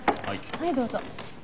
はいどうぞ。